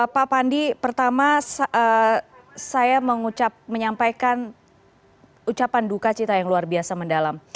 pak pandi pertama saya menyampaikan ucapan duka cita yang luar biasa mendalam